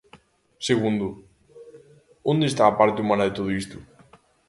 Segundo, ¿onde está a parte humana de todo isto?